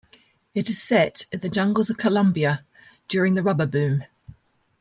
It is set in the jungles of Colombia during the Rubber boom.